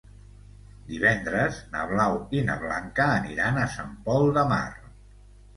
Divendres na Blau i na Blanca aniran a Sant Pol de Mar.